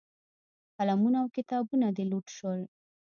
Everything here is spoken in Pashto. قلمونه او کتابونه دې لوټ شول.